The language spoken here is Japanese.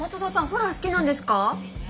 ホラー好きなんですか？